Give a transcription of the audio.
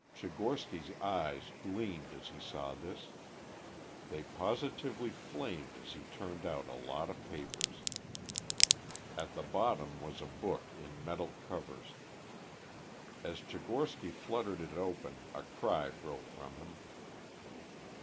Tchigorsky's eyes gleamed as he saw this; they positively flamed as he turned out a lot of papers. At the bottom was a book in metal covers. As Tchigorsky fluttered it open a cry broke from him.